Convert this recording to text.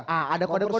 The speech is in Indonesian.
ada kode kode nggak